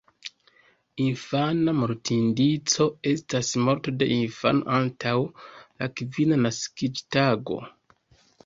Infana mortindico estas morto de infano antaŭ la kvina naskiĝtago.